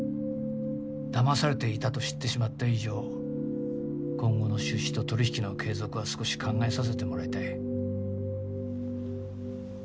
だまされていたと知ってしまった以上今後の出資と取り引きの継続は少し考えさせてもらいたい。